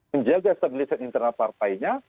menjaga stabilitas internal partainya